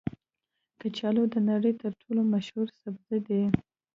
کچالو د نړۍ تر ټولو مشهوره سبزي ده